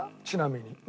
ちなみに。